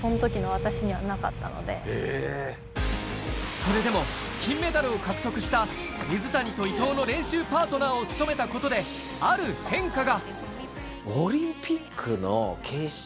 それでも金メダルを獲得した水谷と伊藤の練習パートナーを務めたことで、ある変化が。